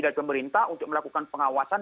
dari pemerintah untuk melakukan pengawasan